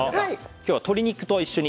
今日は鶏肉と一緒に。